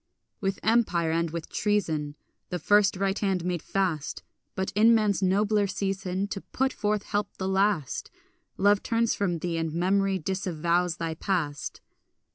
With empire and with treason The first right hand made fast, But in man's nobler season To put forth help the last, Love turns from thee, and memory disavows thy past.